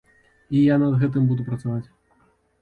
І я над гэтым буду працаваць.